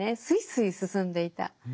すいすい進んでいた。